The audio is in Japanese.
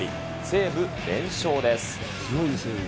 西武、連勝です。